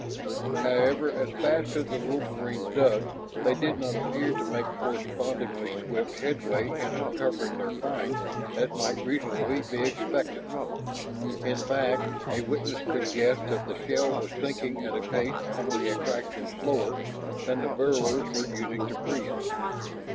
However, as fast as the wolverines dug, they did not appear to make correspondingly swift headway in uncovering their find as might reasonably be expected. In fact, a witness could guess that the shell was sinking at a pace only a fraction slower than the burrowers were using to free it.